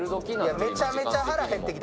めちゃめちゃ腹減ってきた。